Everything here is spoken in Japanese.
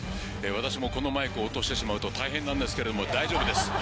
私もこのマイクを落としてしまうと大変なんですけれども大丈夫です。